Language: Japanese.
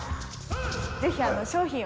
ぜひ商品を。